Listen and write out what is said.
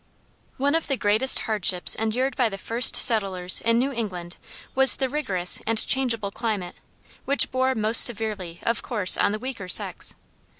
One of the greatest hardships endured by the first settlers in New England was the rigorous and changeable climate, which bore most severely, of course, on the weaker sex.